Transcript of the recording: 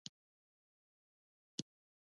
ایا مصنوعي ځیرکتیا د وجدان احساس نه پېژني؟